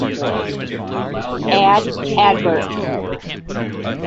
Add adverts